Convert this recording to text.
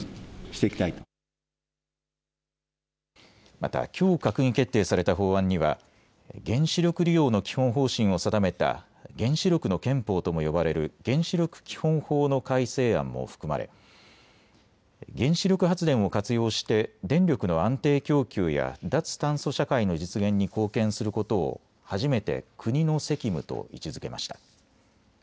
またきょう閣議決定された法案には原子力利用の基本方針を定めた原子力の憲法とも呼ばれる原子力基本法の改正案も含まれ原子力発電を活用して電力の安定供給や脱炭素社会の実現に貢献することを初めて国の責務と位置づけました。